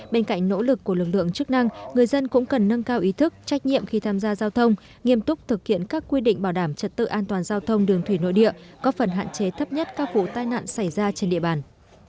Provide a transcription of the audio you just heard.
bên cạnh nỗ lực của lực lượng chức năng người dân cũng cần nâng cao ý thức trách nhiệm khi tham gia giao thông nghiêm túc thực hiện các quy định bảo đảm trật tự an toàn giao thông đường thủy nội địa có phần hạn chế thấp nhất các vụ tai nạn xảy ra trên địa bàn